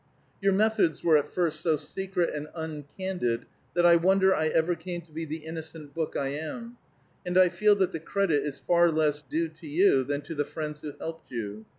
"Your methods were at first so secret and uncandid that I wonder I ever came to be the innocent book I am; and I feel that the credit is far less due to you than to the friends who helped you.